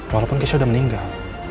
walaupun keisha udah meninggal